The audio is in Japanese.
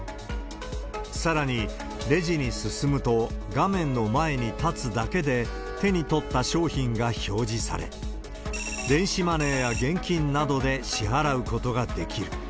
さらにレジに進むと、画面の前に立つだけで、手に取った商品が表示され、電子マネーや現金などで支払うことができる。